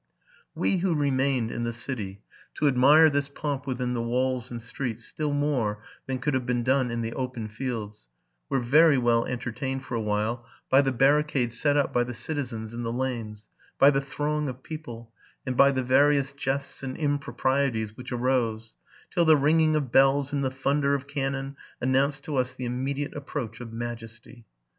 We who remained in the city, to admire this pomp within the walls and streets still more than could have been done in the open fields, were very well entertained for a while by the barricade set up by the citizens in the lanes, by the throng of people, and by the various jests and improprieties w hich arose, till the ringing of bells and the thunder of cannon announced to us the immediate approach of majesty.